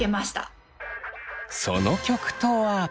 その曲とは。